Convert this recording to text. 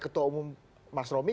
ketua umum mas romi